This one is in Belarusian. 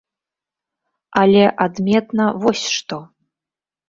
Але адметна вось што.